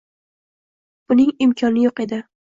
Bunnng imkoni yo'q edi.